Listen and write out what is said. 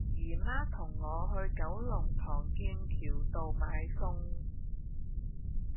姨媽同我去九龍塘劍橋道買餸